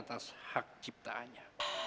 di atas hak ciptaannya